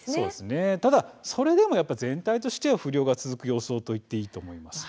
それでも全体としては不漁が続く予想と言っていいと思います。